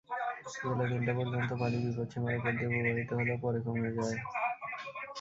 বেলা তিনটা পর্যন্ত পানি বিপৎসীমার ওপর দিয়ে প্রবাহিত হলেও পরে কমে যায়।